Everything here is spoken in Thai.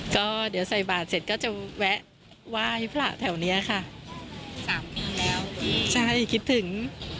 ก็เดี๋ยวใส่บาทเสร็จก็จะแวะไหว้พระแถวเนี้ยค่ะสามปีแล้วพี่ใช่คิดถึง